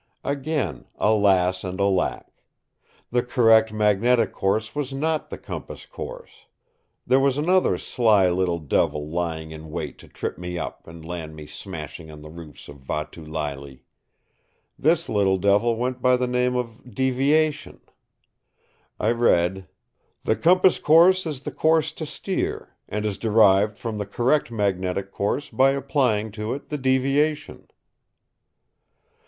Again alas and alack! The Correct Magnetic Course was not the Compass Course. There was another sly little devil lying in wait to trip me up and land me smashing on the reefs of Vatu Leile. This little devil went by the name of Deviation. I read: "The Compass Course is the course to steer, and is derived from the Correct Magnetic Course by applying to it the Deviation."